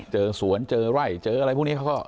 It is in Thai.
เจอสวนเจอไร่เจออะไรพวกนี้เขาก็